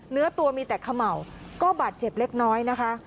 เนื้อตัวมีแต่เขม่าก็บาดเจ็บเล็กน้อยนะคะ